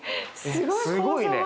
すごいね。